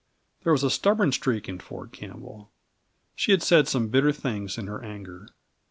There was a stubborn streak in Ford Campbell. She had said some bitter things, in her anger.